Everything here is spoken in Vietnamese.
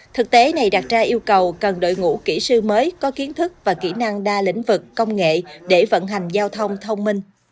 thực tế này đặt ra yêu cầu cần đội ngũ kỹ sư mới có kiến thức và kỹ năng đa lĩnh vực công nghệ để vận hành giao thông thông minh